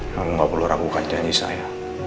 kamu gak perlu ragukan janji saya